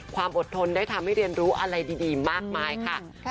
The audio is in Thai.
ความอดทนได้ทำให้เรียนรู้อะไรดีมากมายค่ะ